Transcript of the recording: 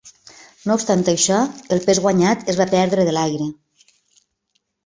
No obstant això, el pes guanyat es va perdre de l'aire.